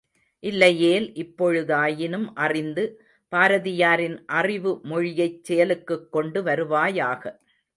இல்லையேல், இப்பொழுதாயினும் அறிந்து, பாரதியாரின் அறிவு மொழியைச் செயலுக்குக் கொண்டு வருவாயாக.